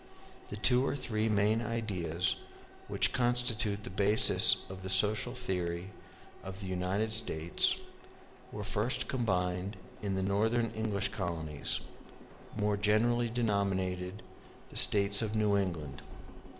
The two or three main ideas which constitute the basis of the social theory of the United States were first combined in the Northern English colonies, more generally denominated the States of New England.